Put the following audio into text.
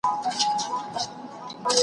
د رستم په شاني ورسه و جګړو ته د زمریانو .